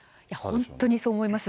本当にそう思います。